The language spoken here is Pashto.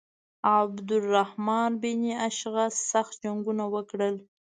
عبدالرحمن بن اشعث سخت جنګونه وکړل.